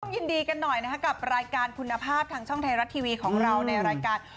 ยินดีกันหน่อยนะครับกับรายการคุณภาพทางช่องไทยรัฐทีวีของเราในรายการ